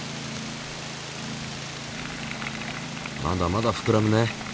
まだまだふくらむね。